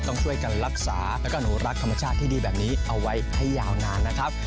ต้องช่วยกันรักษาแล้วก็อนุรักษ์ธรรมชาติที่ดีแบบนี้เอาไว้ให้ยาวนานนะครับ